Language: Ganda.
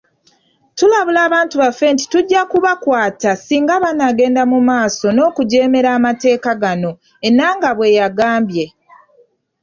“Tulabula abantu baffe nti tujja kubakwata singa munaagenda mumaaso n'okujeemera amateeka gano,” Enanga bweyagambye.